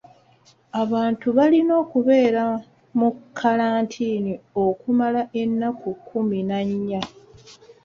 Abantu balina okubeera mu kalantiini okumala ennaku kkumi na nnya.